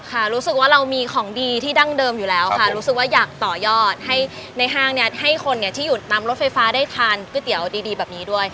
รู้สึกว่าเรามีของดีที่ดั้งเดิมอยู่แล้วค่ะรู้สึกว่าอยากต่อยอดให้ในห้างเนี่ยให้คนเนี่ยที่หยุดนำรถไฟฟ้าได้ทานก๋วยเตี๋ยวดีแบบนี้ด้วย